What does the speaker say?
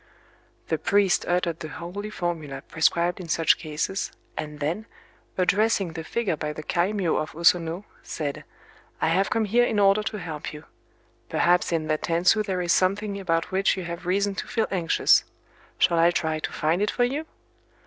The priest uttered the holy formula prescribed in such cases, and then, addressing the figure by the kaimyō of O Sono, said:—"I have come here in order to help you. Perhaps in that tansu there is something about which you have reason to feel anxious. Shall I try to find it for you?"